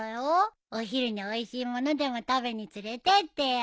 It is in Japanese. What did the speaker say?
お昼においしいものでも食べに連れてってよ。